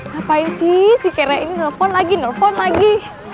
ngapain sih si kere ini nelfon lagi nelfon lagi